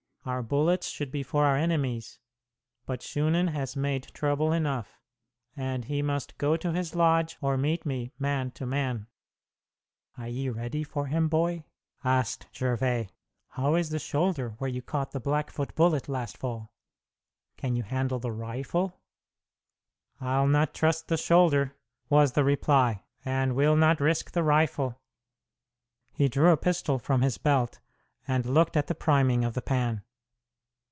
Our bullets should be for our enemies, but Shunan has made trouble enough; and he must go to his lodge or meet me, man to man." "Are ye ready for him, boy?" asked Gervais. "How is the shoulder where you caught the Blackfoot bullet last fall? Can you handle the rifle?" "I'll not trust the shoulder," was the reply, "and will not risk the rifle." He drew a pistol from his belt and looked at the priming of the pan.